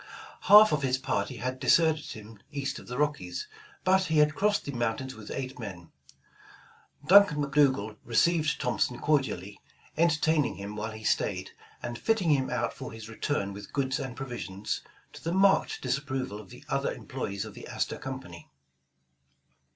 Half of his party had deserted him east of the Rockies, but he had crossed the mountains with eight men. Duncan McDougal received Thompson cordially, entertaining him while he staid, and fitting him out for his return with goods and provisions, to the marked disapproval of other employes of the Astor Company.